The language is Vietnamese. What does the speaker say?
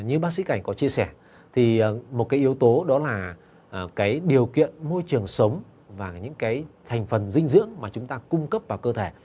như bác sĩ cảnh có chia sẻ thì một cái yếu tố đó là cái điều kiện môi trường sống và những cái thành phần dinh dưỡng mà chúng ta cung cấp vào cơ thể